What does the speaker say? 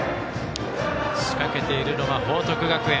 仕掛けているのは報徳学園。